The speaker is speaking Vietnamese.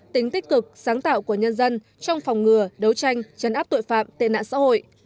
tính tích cực sáng tạo của nhân dân trong phòng ngừa đấu tranh chấn áp tội phạm tệ nạn xã hội